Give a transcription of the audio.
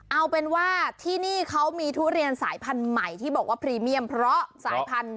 เอาเป็นว่าที่นี่เขามีทุเรียนสายพันธุ์ใหม่ที่บอกว่าพรีเมียมเพราะสายพันธุ์